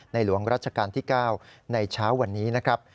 หลวงรัชกาลที่๙ในเช้าวันนี้นะครับ